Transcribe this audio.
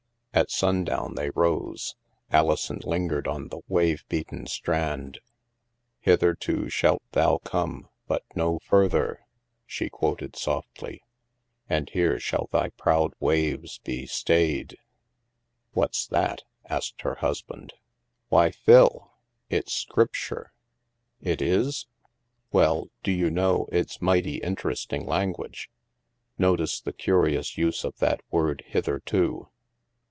At sundown they rose. Alison lingered on the wave beaten strand. "* Hitherto shalt thou come, but no further,' " she quoted softly, "* and here shall thy proud waves be stayed.' "" What's that ?" asked her husband. Why, Phil ! It's Scripture." It is ? Well, do you know, it's mighty interest ing language. Notice the curious use of that word * hitherto.'